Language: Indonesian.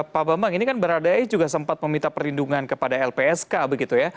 pak bambang ini kan berada e juga sempat meminta perlindungan kepada lpsk begitu ya